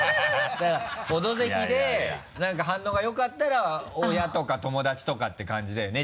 だから「オドぜひ」で何か反応が良かったら親とか友達とかって感じだよね？